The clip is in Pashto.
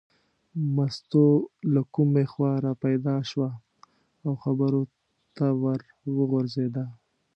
مستو له کومې خوا را پیدا شوه او خبرو ته ور وغورځېده.